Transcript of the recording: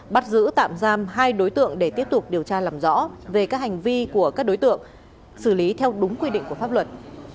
bắt giữ tạm giam hai đối tượng để tiếp tục điều tra làm rõ về các hành vi của các đối tượng xử lý theo đúng quy định của pháp luật